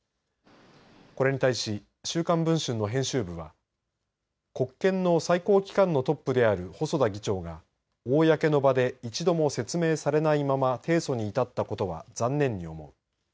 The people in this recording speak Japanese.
これに対し、週刊文春の編集部は国権の最高機関のトップである細田議長が公の場で一度も説明されないまま提訴に至ったことは残念に思う。